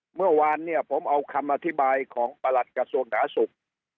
เมื่อวานเนี่ยผมเอาคำอธิบายของประหลัดกระทรวงหนาสุข